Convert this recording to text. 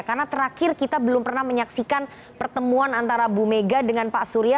karena terakhir kita belum pernah menyaksikan pertemuan antara bumega dengan pak surya